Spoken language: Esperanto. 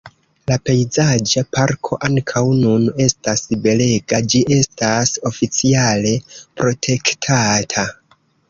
La pejzaĝa parko ankaŭ nun estas belega, ĝi estas oficiale protektata.